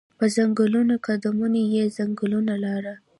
په ځنګولو قدمو یې ځنګوله لاره